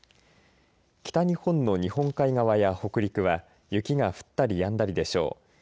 北日本の日本海側や北陸は雪が降ったりやんだりでしょう。